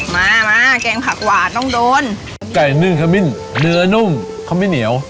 มามาแกงผักหวานต้องโดนไก่นึ่งขมิ้นเนื้อนุ่มขมิ้นเหนียว